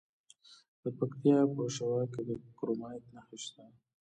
د پکتیا په شواک کې د کرومایټ نښې شته.